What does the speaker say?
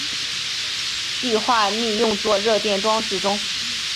碲化铋用作热电装置中。